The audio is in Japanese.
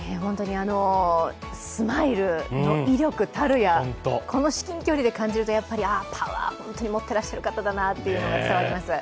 あのスマイルの威力たるや、この至近距離で感じるとやっぱりパワーを本当に持っていらっしゃる方だなというのが伝わります。